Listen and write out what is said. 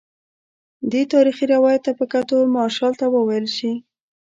دې تاریخي روایت ته په کتو مارشال ته وویل شي.